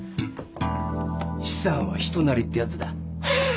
資産は人なりってやつだ。ハハハ！